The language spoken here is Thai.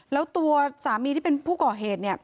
แล้วตัวสามีที่เป็นผู้ก่อเหตุเนี่ย